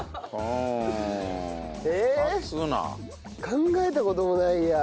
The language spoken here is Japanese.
考えた事もないや。